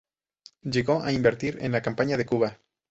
Llegó a intervenir en la campaña de Cuba.